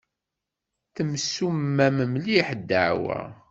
Temsumam mliḥ ddeɛwa.